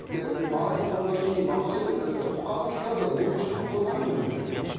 第三者といって、周りの友達に任せるのではなくて、他の機関が動くしかないと僕は思うんですけど。